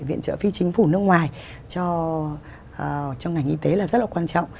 viện trợ phi chính phủ nước ngoài trong ngành y tế là rất là quan trọng